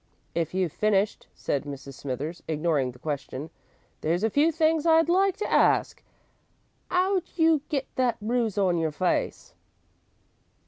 "If you've finished," said Mrs. Smithers, ignoring the question, "there's a few things I'd like to ask. 'Ow did you get that bruise on your face?"